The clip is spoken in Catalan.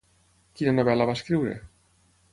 Quina novel·la va escriure?